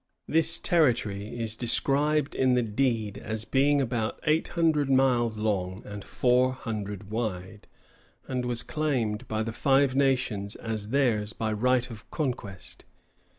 This territory is described in the deed as being about eight hundred miles long and four hundred wide, and was claimed by the Five Nations as theirs by right of conquest.